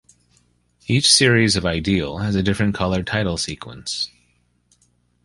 Each series of "Ideal" has a different coloured title sequence.